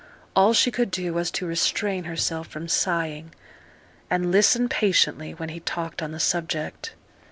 All she could do was to restrain herself from sighing, and listen patiently, when he talked on the subject.